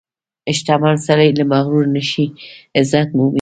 • شتمن سړی که مغرور نشي، عزت مومي.